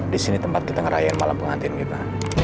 disini tempat kita ngerayain malam pengantin kita